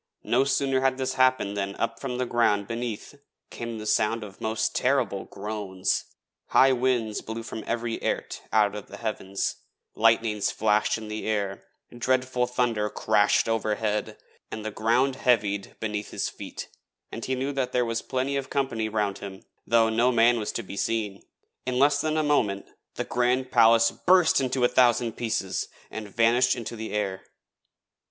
No sooner had this happened than up from the ground beneath came the sound of most terrible groans, high winds blew from every airt out of the heavens, lightnings flashed in the air, dreadful thunder crashed overhead, and the ground heaved beneath his feet; and he knew that there was plenty of company round him, though no man was to be seen. In less than a moment the grand palace burst into a hundred thousand bits, and vanished into the air.